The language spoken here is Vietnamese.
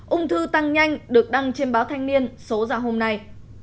ung thư tăng nhanh được đăng trên báo thanh niên số giả hôm nay